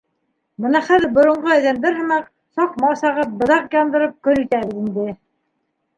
— Бына хәҙер, боронғо әҙәмдәр һымаҡ, саҡма сағып, быҙыҡ яндырып көн итәбеҙ инде.